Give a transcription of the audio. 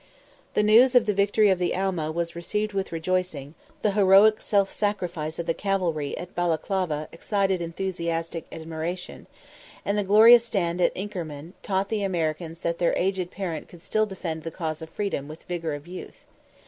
The news of the victory of the Alma was received with rejoicing; the heroic self sacrifice of the cavalry at Balaklava excited enthusiastic admiration; and the glorious stand at Inkermann taught the Americans that their aged parent could still defend the cause of freedom with the vigour of youth.